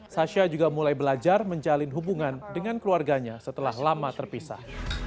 sasha juga mulai belajar menjalin hubungan dengan keluarganya setelah lama terpisah